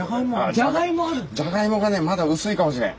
じゃがいもがねまだ薄いかもしれん。